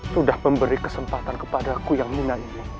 sudah memberi kesempatan kepadaku yang mina ini